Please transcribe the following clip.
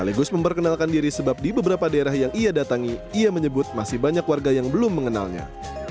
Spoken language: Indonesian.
sandiaga uno menyebutkan tim suksesnya sendiri sebab di beberapa daerah yang ia datangi ia menyebut masih banyak warga yang belum mengenalnya